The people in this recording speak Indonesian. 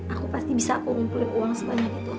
aku pasti bisa kumpulin uang sebanyak itu